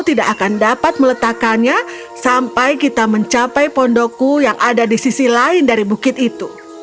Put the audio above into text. tidak akan dapat meletakkannya sampai kita mencapai pondokku yang ada di sisi lain dari bukit itu